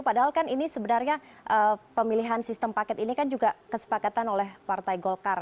padahal kan ini sebenarnya pemilihan sistem paket ini kan juga kesepakatan oleh partai golkar